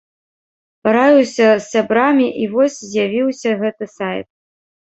Параіўся з сябрамі і вось з'явіўся гэты сайт.